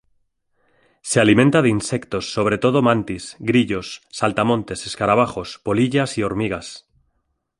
Se alimenta de insectos, sobre todo de mantis, grillos, saltamontes, escarabajos, polillas y hormigas.